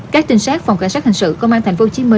các trinh sát phòng cảnh sát hình sự công an tp hcm